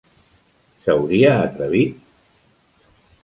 S'hauria atrevit?